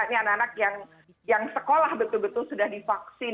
ini anak anak yang sekolah betul betul sudah divaksin